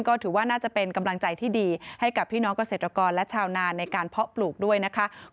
ก็ถือว่าน่าจะเป็นกำลังใจที่ดีให้กับพี่น้องเกษตรกรและชาวนานในการเพาะปลูกด้วยนะคะ